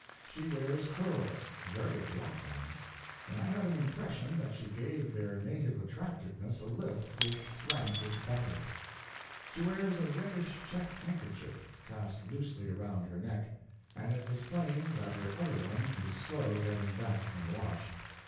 She wears curls very black ones, and I had an impression that she gave their native attractiveness a lift with rancid butter. She wears a reddish check handkerchief, cast loosely around her neck, and it was plain that her other one is slow getting back from the wash.